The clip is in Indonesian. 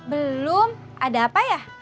belum ada apa ya